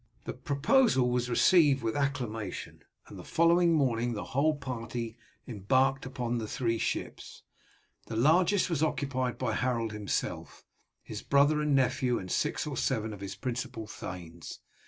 The proposal was received with acclamation, and the following morning the whole party embarked upon the three ships. The largest was occupied by Harold himself, his brother and nephew, and six or seven of his principal thanes.